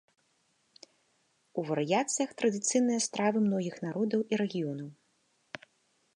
У варыяцыях традыцыйныя страва многіх народаў і рэгіёнаў.